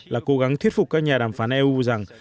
là cố gắng thuyết phục các nhà đàm phán eu rằng